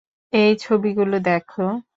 এই ছবিগুলো দেখ।